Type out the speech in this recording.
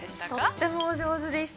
◆とってもお上手でした。